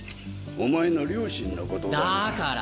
お前の両親のことだが。